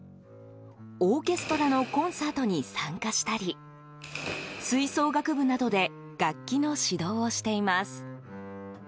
オーケストラのコンサートに参加したり吹奏楽部などで楽器の指導をしています。